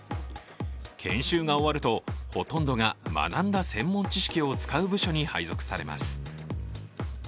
研修が終わると、ほとんどが学んだ専門知識を使う部署に配属されます。